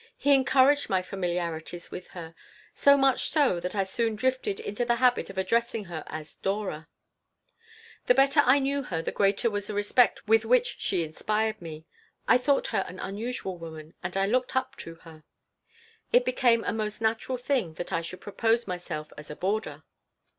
He encouraged my familiarities with her, so much so that I soon drifted into the habit of addressing her as Dora The better I knew her the greater was the respect with which she inspired me. I thought her an unusual woman, and I looked up to her It became a most natural thing that I should propose myself as a boarder.